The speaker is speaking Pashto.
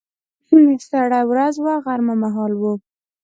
سړه ورځ وه، غرمه مهال و.